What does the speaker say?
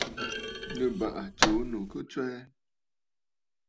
Nɨ̀ bàrà tsuu ɨnnù ki tswɛɛ.